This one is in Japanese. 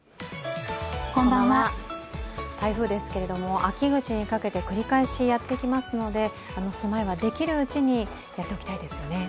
台風ですけれども、秋口にかけて繰り返しやってきますので備えはできるうちにやっておきたいですね。